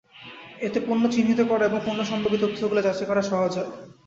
এতে পণ্য চিহ্নিত করা এবং পণ্যসম্পর্কিত তথ্যগুলো যাচাই করা সহজ হয়।